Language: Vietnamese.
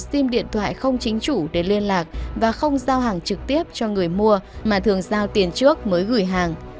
sim điện thoại không chính chủ để liên lạc và không giao hàng trực tiếp cho người mua mà thường giao tiền trước mới gửi hàng